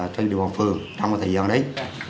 trong thời gian đấy